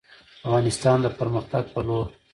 افغانستان د پرمختګ په لور